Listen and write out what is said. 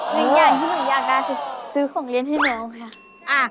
หนึ่งอย่างที่หนูอยากได้คือซื้อของเล่นให้น้องค่ะ